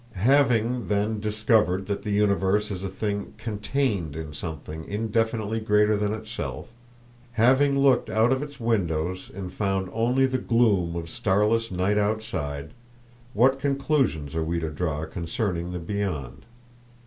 Having, then, discovered that the universe is a thing contained in something indefinitely greater than itself; having looked out of its windows and found only the gloom of starless night outside—what conclusions are we to draw concerning the beyond?